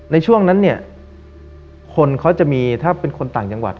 ในช่วงนั้นเนี่ยคนเขาจะมีถ้าเป็นคนต่างจังหวัด